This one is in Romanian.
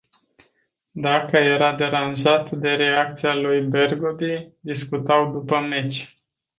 Dacă era deranjat de reacția lui Bergodi, discutau după meci.